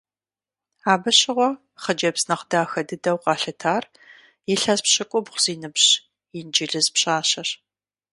Абы щыгъуэ хъыджэбз нэхъ дахэ дыдэу къалъытар илъэс пщыкӏубгъу зи ныбжь инджылыз пщащэщ.